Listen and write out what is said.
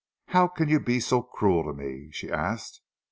"How can you be so cruel to me?" she asked.